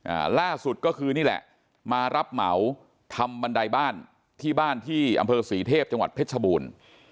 อ่าล่าสุดก็คือนี่แหละมารับเหมาทำบันไดบ้านที่บ้านที่อำเภอศรีเทพจังหวัดเพชรชบูรณ์